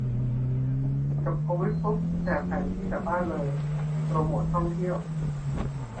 จบโควิดปุ๊บแจกแผนที่แถวบ้านเลย โปรโมตท่องเที่ยว